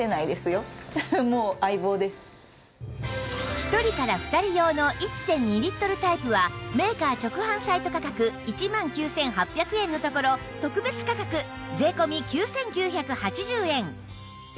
１人から２人用の １．２ リットルタイプはメーカー直販サイト価格１万９８００円のところ特別価格税込９９８０円